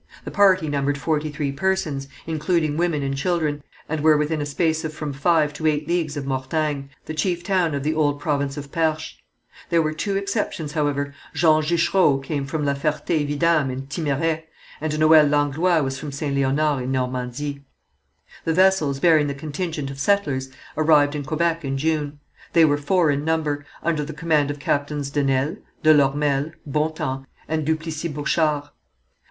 The party numbered forty three persons, including women and children, and were within a space of from five to eight leagues of Mortagne, the chief town of the old province of Perche. There were two exceptions, however, Jean Juchereau came from La Ferté Vidame in Thimerais, and Noël Langlois was from St. Leonard, in Normandy. The vessels bearing the contingent of settlers arrived in Quebec in June. They were four in number, under the command of Captains de Nesle, de Lormel, Bontemps, and Duplessis Bochart.